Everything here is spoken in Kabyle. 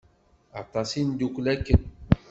Aṭas i neddukel akken.